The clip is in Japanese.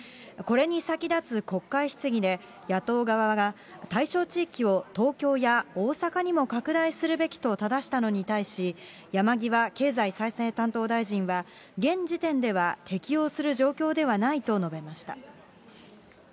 これに先立つ国会質疑で野党側が、対象地域を東京や大阪にも拡大するべきとただしたのに対し、山際経済再生担当大臣は、現時点では、適用する状況ではないと述べました。